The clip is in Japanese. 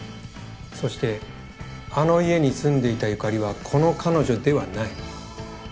そしてあの家に住んでいた由香里はこの彼女ではない。